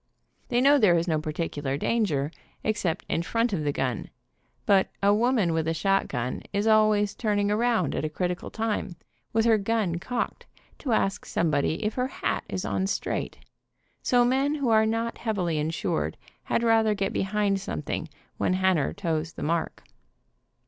They know there is no particular danger, ex cept in front of the gun, but a woman with a shotgun is always turning around at a critical time, with her gun cocked, to ask somebody if her hat is on straight, so men who are not heavily insured, had rather get behind something when Hanner toes the mark.